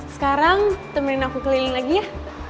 sekarang temenin aku keliling lagi ya